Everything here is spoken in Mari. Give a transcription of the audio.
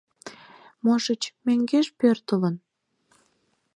Можыч, мӧҥгеш пӧртылын.